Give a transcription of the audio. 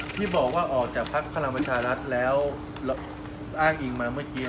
ที่บอกว่าออกจากภักดิ์พลังประชารัฐแล้วอ้างอิงมาเมื่อกี้